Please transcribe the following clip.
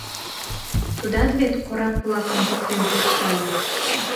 Тудат вет корак-влакым поктен куржтале.